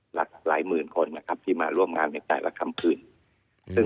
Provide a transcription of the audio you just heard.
หลายหมื่นคนที่มาร่วมงานในแต่ละคำคืน